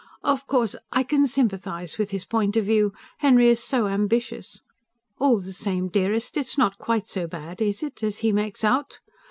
"Of course, I can sympathise with his point of view.... Henry is so ambitious. All the same, dearest, it's not quite so bad is it? as he makes out.